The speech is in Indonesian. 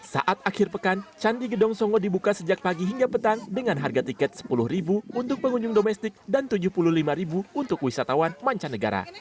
saat akhir pekan candi gedong songo dibuka sejak pagi hingga petang dengan harga tiket rp sepuluh untuk pengunjung domestik dan rp tujuh puluh lima untuk wisatawan mancanegara